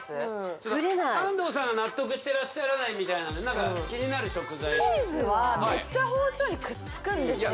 ちょっと安藤さんが納得してらっしゃらないみたいなんで気になる食材チーズはめっちゃ包丁にくっつくんですよ